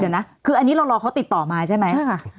เดี๋ยวนะคืออันนี้เรารอเขาติดต่อมาใช่ไหม